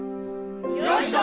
よいしょ！